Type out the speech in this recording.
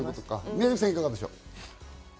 宮崎さん、いかがでしょう？